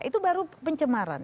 itu baru pencemaran